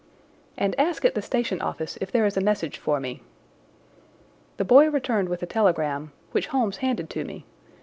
"And ask at the station office if there is a message for me." The boy returned with a telegram, which Holmes handed to me.